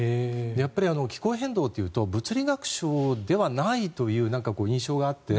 やっぱり気候変動というと物理学賞じゃないという印象があって。